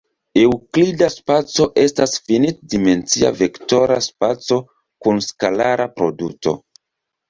Eŭklida spaco estas finit-dimensia vektora spaco kun skalara produto.